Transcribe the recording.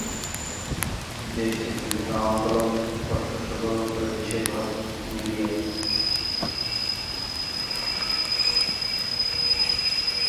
দেশটি বিভিন্ন আন্দোলনে অর্থ সরবরাহ করে বিশেষভাবে লিবিয়ায়।